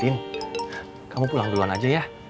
jin kamu pulang duluan aja ya